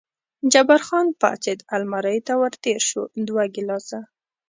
جبار خان پاڅېد، المارۍ ته ور تېر شو، دوه ګیلاسه.